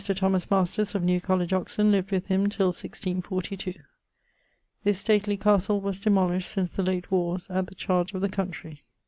Thomas Masters, of New College, Oxon, lived with him till 1642. This stately castle was demolished since the late warres at the chardge of the countrey.